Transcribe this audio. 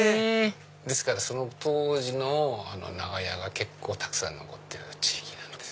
ですからその当時の長屋がたくさん残ってる地域なんです。